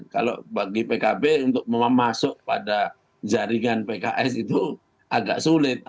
kalau bagi pkb untuk memasuk pada jaringan pks itu agak sulit